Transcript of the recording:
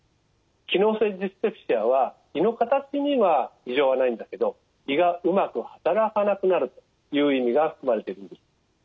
機能性ディスペプシアは胃の形には異常はないんだけど胃がうまく働かなくなるという意味が含まれているんです。